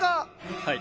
はい。